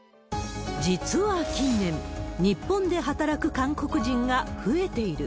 実は近年、日本で働く韓国人が増えている。